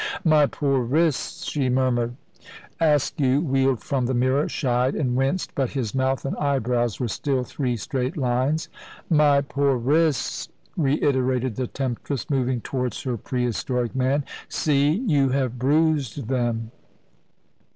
"My poor wrists!" she murmured. Askew wheeled from the mirror, shied, and winced; but his mouth and eyebrows were still three straight lines. "My poor wrists!" reiterated the temptress, moving towards her pre historic man; "see you have bruised them."